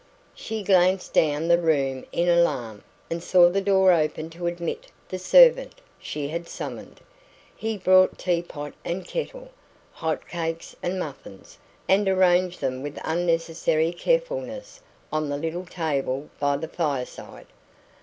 She glanced down the room in alarm, and saw the door open to admit the servant she had summoned. He brought teapot and kettle, hot cakes and muffins, and arranged them with unnecessary carefulness on the little table by the fireside.